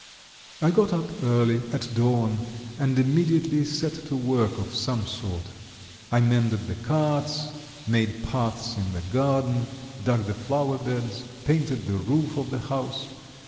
I got up early, at dawn, and immediately set to work of some sort. I mended the carts, made paths in the garden, dug the flower beds, painted the roof of the house.